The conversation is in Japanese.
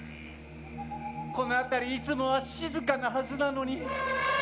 この辺りいつもは静かなはずなのに。